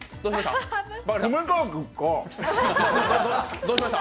どうしました？